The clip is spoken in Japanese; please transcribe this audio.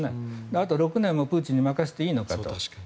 あと６年もプーチンに任せていいのかと。